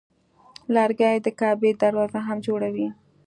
لرګی د کعبې دروازه هم جوړوي.